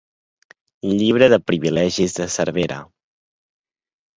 Llibre de Privilegis de Cervera.